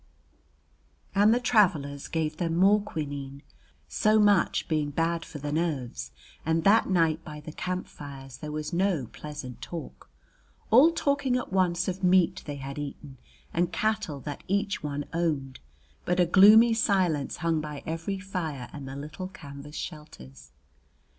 And the travelers gave them more quinine, so much being bad for the nerves, and that night by the camp fires there was no pleasant talk; all talking at once of meat they had eaten and cattle that each one owned, but a gloomy silence hung by every fire and the little canvas shelters.